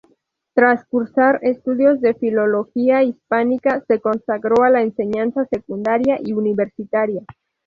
Tras cursar estudios de filología hispánica, se consagró a la enseñanza secundaria y universitaria.